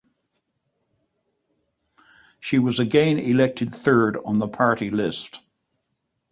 She was again elected third on the party list.